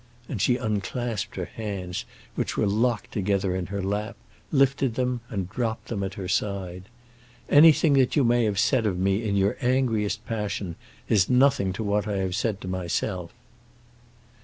And she unclasped her hands, which were locked together in her lap, lifted them, and dropped them at her side. "Anything that you may have said of me in your angriest passion is nothing to what I have said to myself."